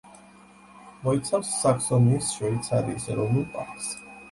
მოიცავს საქსონიის შვეიცარიის ეროვნულ პარკს.